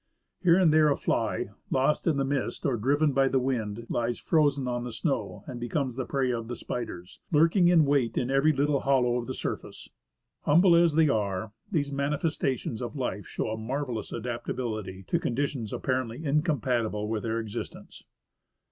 Here and there a fly, lost in the mist or driven by the wind, lies frozen on the snow, and becomes the prey of the spiders, lurking in wait in every little hollow of the surface. Humble as they are, these manifestations of life show a marvellous adaptability to conditions apparently in compatible with their existence.